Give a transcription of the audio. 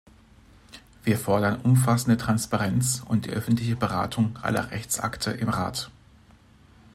Wir fordern umfassende Transparenz und die öffentliche Beratung aller Rechtsakte im Rat.